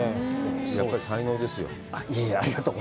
やっぱり才能ですよ。